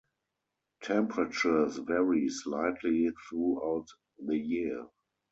Temperatures vary slightly throughout the year.